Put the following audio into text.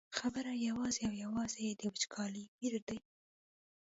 خبره یوازې او یوازې د وچکالۍ ویر دی.